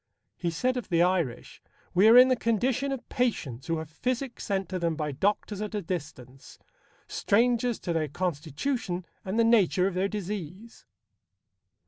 He said of the Irish: We are in the condition of patients who have physic sent to them by doctors at a distance, strangers to their constitution and the nature of their disease.